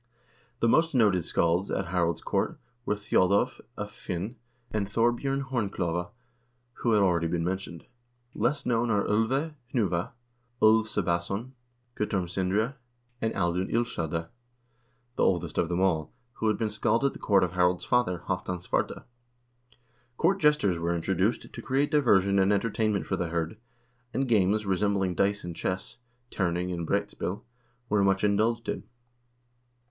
The most noted scalds at Harald's court were: Thjodolv af Hvin and Thorbj0rn Horn klove, who have already been mentioned. Less known are 01 ve Hnuva, Ulv Sebbason, Guttorm Sindre, and Audun Illskelda, the oldest of them all, who had been scald at the court of Harald's father, Halvdan Svarte. Court jesters were introduced to create diversion and entertainment for the hird, and games, resembling dice and chess (terning and broetspil), were much indulged in.